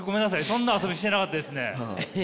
そんな遊びしてなかったですね。